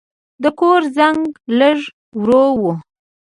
د کور زنګ لږ ورو و.